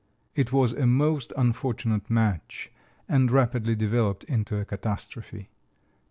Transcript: It was a most unfortunate match and rapidly developed into a catastrophe.